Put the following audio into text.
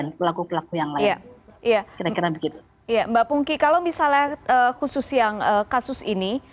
mbak pungki kalau misalnya khusus yang kasus ini